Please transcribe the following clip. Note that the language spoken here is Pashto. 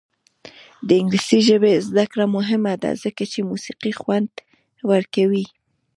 د انګلیسي ژبې زده کړه مهمه ده ځکه چې موسیقي خوند ورکوي.